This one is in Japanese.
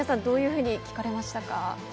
どういうふうに聞かれましたか？